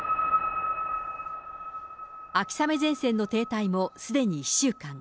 秋雨前線の停滞もすでに１週間。